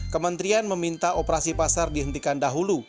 kementerian meminta operasi pasar dihentikan dahulu